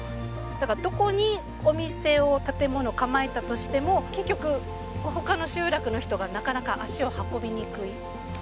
だからどこにお店を建物を構えたとしても結局他の集落の人がなかなか足を運びにくい。